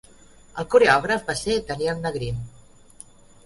El coreògraf va ser Daniel Nagrin.